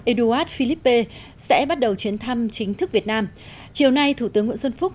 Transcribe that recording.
édouard philippe sẽ bắt đầu chuyến thăm chính thức việt nam chiều nay thủ tướng nguyễn xuân phúc